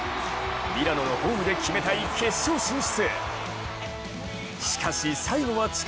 ミラノのホームで決めたい決勝進出。